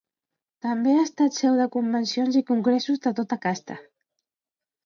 També ha estat seu de convencions i congressos de tota casta.